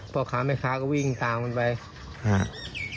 พ่อค้าแม่ค้าก็วิ่งตามมันไปฮะ